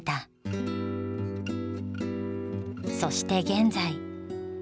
そして現在。